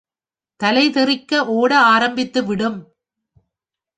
தலை தெறிக்க ஒட ஆரம்பித்து விடும்.